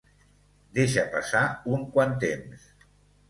Deixa passar un quant temps.